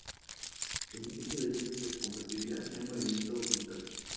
El impulso de giro se convertiría en movimiento orbital.